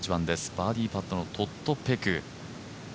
バーディーパットのトッド・ペク。